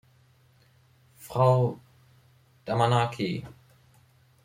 Frau Damanaki!